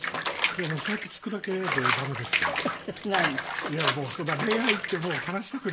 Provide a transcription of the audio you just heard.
いやもうそんな恋愛ってもう話したくないぐらい。